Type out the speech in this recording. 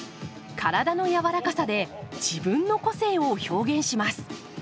体のやわらかさで自分の個性を表現します。